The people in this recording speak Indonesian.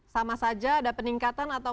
sama saja ada peningkatan atau